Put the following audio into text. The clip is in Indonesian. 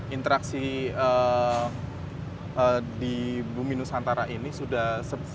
interaksi di bumi nusantara ini sudah